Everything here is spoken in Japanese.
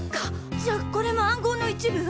じゃあこれも暗号の一部？